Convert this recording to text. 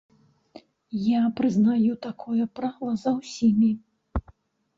Я прызнаю такое права за ўсімі.